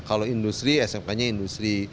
kalau industri smknya industri